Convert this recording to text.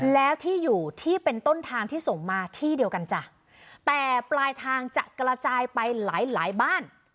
แล้วที่อยู่ที่เป็นต้นทางที่ส่งมาที่เดียวกันจ้ะแต่ปลายทางจะกระจายไปหลายหลายบ้าน